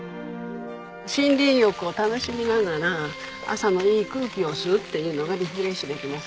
森林浴を楽しみながら朝のいい空気を吸うっていうのがリフレッシュできますね。